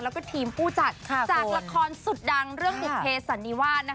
แล้วก็ทีมผู้จัดจากละครสุดดังเรื่องบุภเพสันนิวาส